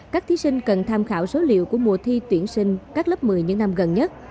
các thí sinh cần tham khảo số liệu của mùa thi tuyển sinh các lớp một mươi những năm gần nhất